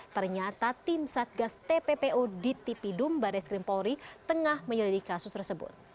ternyata tim satgas tppu di tpidum barres krimpolri tengah menyelidiki kasus tersebut